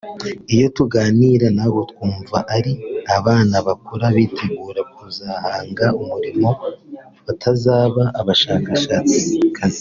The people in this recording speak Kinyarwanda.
iyo tuganiriye nabo twumva ari abana bakura bitegura kuzahanga umurimo batazaba abashaka akazi